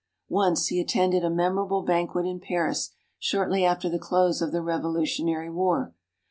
Once, he attended a memorable banquet in Paris shortly after the close of the Revolutionary War.